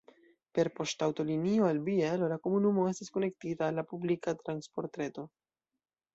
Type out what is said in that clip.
Per poŝtaŭtolinio al Bielo la komunumo estas konektita al la publika transportreto.